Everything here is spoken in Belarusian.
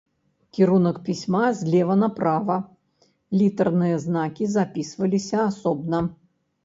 Кірунак пісьма злева направа, літарныя знакі запісваліся асобна.